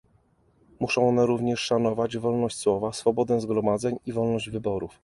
Muszą one również szanować wolność słowa, swobodę zgromadzeń i wolność wyborów